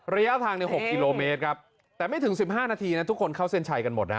ระยะทางเนี้ยหกกิโลเมตรครับแต่ไม่ถึงสิบห้านาทีน่ะทุกคนเขาเส้นชัยกันหมดน่ะ